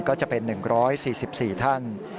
ก็จะเป็น๑๔๔ท่าน